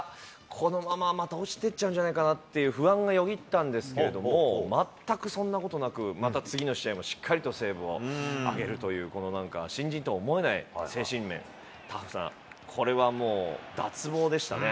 このまままた落ちてっちゃうんじゃないかという不安がよぎったんですけれども、全くそんなことなく、また次の試合もしっかりとセーブを挙げるという、このなんか新人とは思えない精神面、タフさ、これはもう脱帽でしたね。